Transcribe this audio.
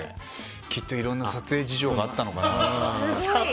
きっといろんな撮影事情があったのかなと。